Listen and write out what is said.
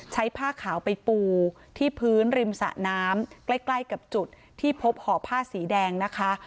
ผ้าขาวไปปูที่พื้นริมสะน้ำใกล้ใกล้กับจุดที่พบห่อผ้าสีแดงนะคะ